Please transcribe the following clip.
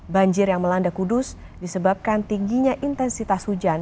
banjir yang melanda kudus disebabkan tingginya intensitas hujan